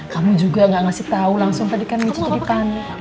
kamu juga gak ngasih tahu langsung tadi kan itu jadi panik